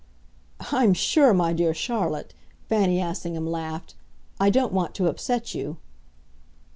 "I'm sure, my dear Charlotte," Fanny Assingham laughed, "I don't want to upset you."